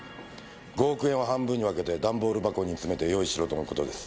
５億円を半分に分けて段ボール箱につめて用意しろとの事です。